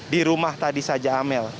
di rumah tadi saja amel